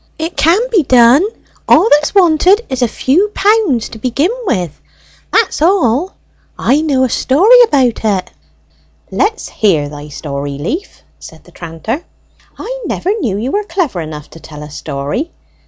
"It can be done all that's wanted is a few pounds to begin with. That's all! I know a story about it!" "Let's hear thy story, Leaf," said the tranter. "I never knew you were clever enough to tell a story.